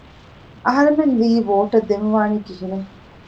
އަހަރެމެން ލީ ވޯޓަށް ދެން ވާނީ ކިހިނެއް؟